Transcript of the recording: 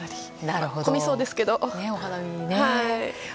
混みそうですけど。